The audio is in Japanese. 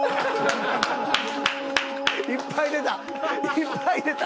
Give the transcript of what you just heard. いっぱい出た！